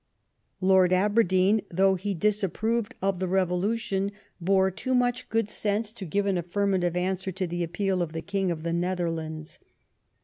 Lord Aberdeen, though he dis approved of the revolution, bore too much good sense to give an affirmative answer to the appeal of the King of the Netherlands.